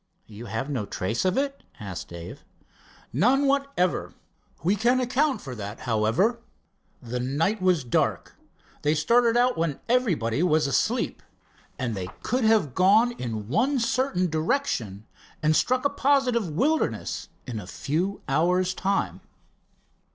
"You have no trace of it?" asked Dave. "None whatever. We can account for that, however. The night was dark, they started out when everybody was asleep, and they could have gone in one certain direction and struck a positive wilderness in a few hours time."